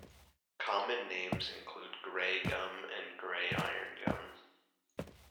Common names include grey gum and grey irongum.